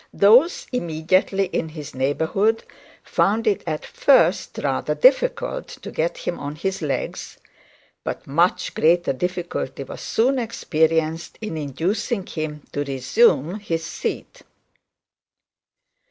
Those immediately in his neighbourhood found it at first rather difficult to get him to his legs, but much greater difficulty was soon experience in inducing him to resume his seat.